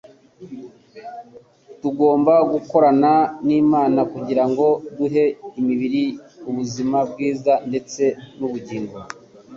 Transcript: Tugomba gukorana n'Imana kugira ngo duhe imibiri ubuzima bwiza ndetse n'ubugingo.